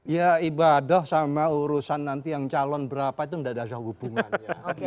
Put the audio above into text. ya ibadah sama urusan nanti yang calon berapa itu tidak ada hubungannya